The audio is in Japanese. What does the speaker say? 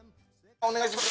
お願いします。